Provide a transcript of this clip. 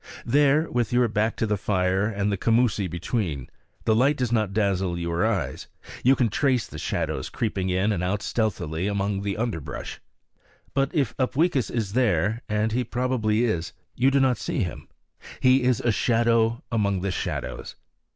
There, with your back to the fire and the commoosie between, the light does not dazzle your eyes; you can trace the shadows creeping in and out stealthily among the underbrush. But if Upweekis is there and he probably is you do not see him. He is a shadow among the shadows.